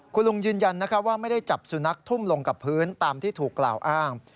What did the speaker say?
คุณลุงยืนยันว่าไม่ได้จับสุนัขทุ่มลงกับพื้นตามที่ถูกกล่าวอ้าง